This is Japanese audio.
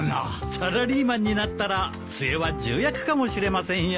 サラリーマンになったら末は重役かもしれませんよ。